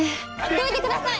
どいてください！